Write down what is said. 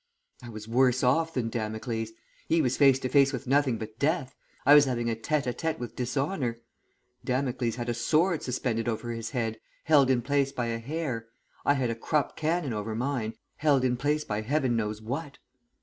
"I was worse off than Damocles. He was face to face with nothing but death. I was having a tête à tête with dishonour. Damocles had a sword suspended over his head, held in place by a hair, I had a Krupp cannon over mine, held in place by Heaven knows what."